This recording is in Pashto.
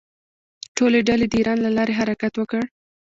ټولې ډلې د ایران له لارې حرکت وکړ.